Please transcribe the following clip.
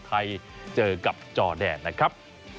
ไทยเจอกับจอแดนนะครับ